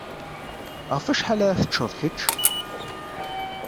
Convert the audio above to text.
Ɣef wacḥal ara teččeḍ kečč?